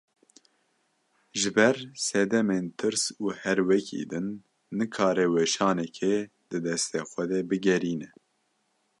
Ji ber sedemên tirs û herwekî din, nikare weşanekê di destê xwe de bigerîne